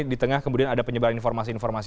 di tengah kemudian ada penyebaran informasi informasi